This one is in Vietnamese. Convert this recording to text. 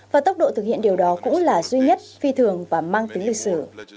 và tốc độ thực hiện điều đó cũng là duy nhất phi thường và mang tính lịch sử